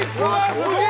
すげえ！